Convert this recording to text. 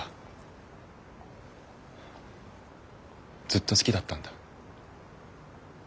ずっと好きだったんだ。